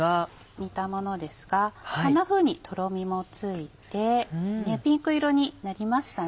煮たものですがこんなふうにとろみもついてピンク色になりましたね。